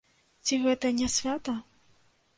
Ці гэта не свята?